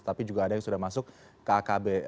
tapi juga ada yang sudah masuk ke akb